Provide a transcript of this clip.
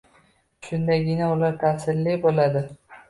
Shundagina ular ta’sirli bo’ladi.